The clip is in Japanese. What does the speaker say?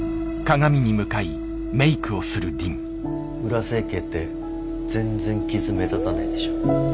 裏整形って全然傷目立たないでしょ。